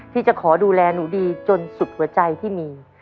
ที่จะขอดูแลหนูดีจนสุดหัวใจที่มี